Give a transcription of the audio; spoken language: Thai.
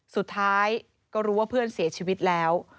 สุดท้ายก็รู้ว่าเพื่อนเสียชีวิตแล้ว